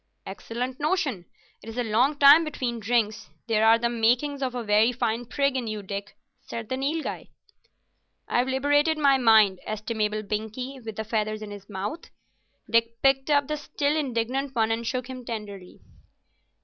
"Excellent notion. It is a long time between drinks. There are the makings of a very fine prig in you, Dick," said the Nilghai. "I've liberated my mind, estimable Binkie, with the feathers in his mouth." Dick picked up the still indignant one and shook him tenderly.